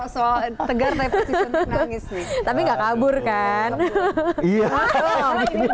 soal tegar reputasi untuk nangis nih